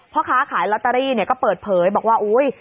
พ่อค้าขายลอตเตอรี่เนี่ยก็เปิดเผยบอกว่าอุ๊ย